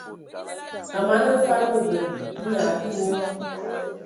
A mana hm fad mǝbǝl, nnye a akǝ nyɔ.